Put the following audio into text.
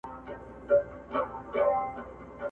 حقیقت او د ورځې خوبونه درواغ وي